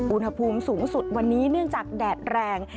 อุณหภูมิสูงสุดวันนี้เนื่องจากแดดแรง